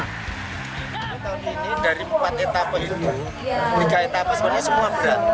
tahun ini dari empat etapa itu tiga etapa sebenarnya semua berat